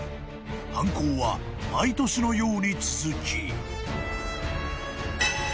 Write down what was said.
［犯行は毎年のように続き］